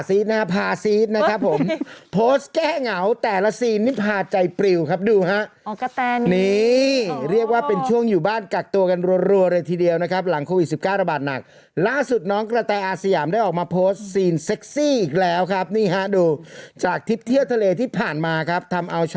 สิทธิ์นะครับผมโพสแก้เหงาแต่ละซีนนี่พาใจปริ๋วครับดูค่ะอ๋อกะแต่นี่นี่เรียกว่าเป็นช่วงอยู่บ้านกักตัวกันรวรรวรเลยทีเดียวนะครับหลังควิดสิบก้าตบาตหนักล่าสุดน้องกระแต่อาเซียมได้ออกมาซีนเซ็กซี่อีกแล้วครับนี่ค่ะดูจากทิศเที่ยวทะเลที่ผ่านมาครับทำเอาช